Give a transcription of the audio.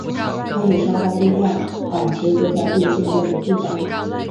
他也是澳大利亚板球国家队现在的队长。